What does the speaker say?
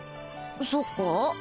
そっか？